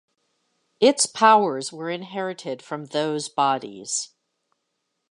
Its powers were inherited from those bodies.